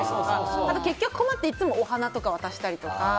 あと結局、困ってお花とか渡したりとか。